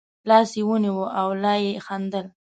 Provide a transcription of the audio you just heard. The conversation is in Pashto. لاس یې ونیو او لا یې خندل.